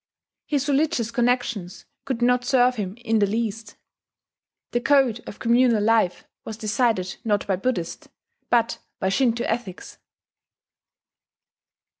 His religious connexions could not serve him in the least: the code of communal life was decided not by Buddhist, but by Shinto ethics.